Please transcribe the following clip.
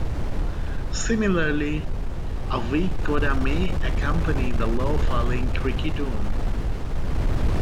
Similarly, a weak coda may accompany the low-falling creaky tone.